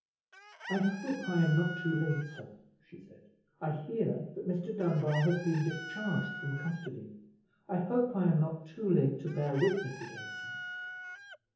"I hope I am not too late, sir," she said; "I hear that Mr. Dunbar has been discharged from custody. I hope I am not too late to bear witness against him."